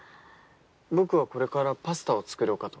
僕はこれからパスタを作ろうかと。